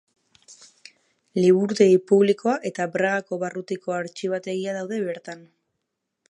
Liburutegi publikoa eta Bragako barrutiko artxibategia daude bertan.